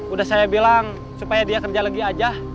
udah saya bilang supaya dia kerja lagi aja